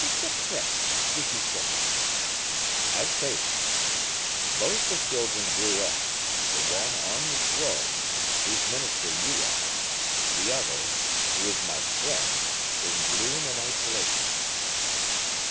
"Suppressed, do you say?" "Have patience. Both the children grew up; the one on the throne, whose minister you are the other, who is my friend, in gloom and isolation."